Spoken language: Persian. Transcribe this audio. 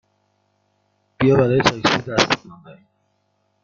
بیا برای تاکسی دست تکان دهیم!